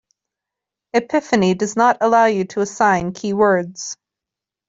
Epiphany does not allow you to assign keywords.